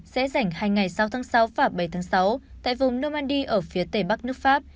sẽ dành hai ngày sáu tháng sáu và bảy tháng sáu tại vùng normandy ở phía tây bắc nước pháp